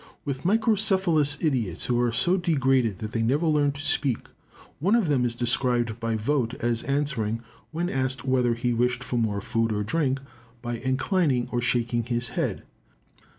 With microcephalous idiots, who are so degraded that they never learn to speak, one of them is described by Vogt, as answering, when asked whether he wished for more food or drink, by inclining or shaking his head.